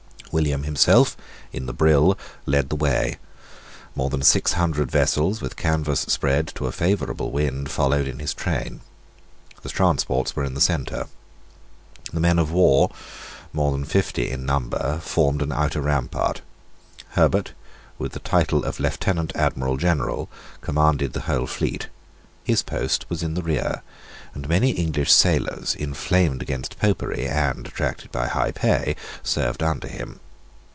William himself, in the Brill, led the way. More than six hundred vessels, with canvass spread to a favourable wind, followed in his train. The transports were in the centre. The men of war, more than fifty in number, formed an outer rampart. Herbert, with the title of Lieutenant Admiral General, commanded the whole fleet. His post was in the rear, and many English sailors, inflamed against Popery, and attracted by high pay, served under him.